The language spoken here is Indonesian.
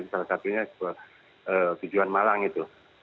salah satunya tujuan malang itu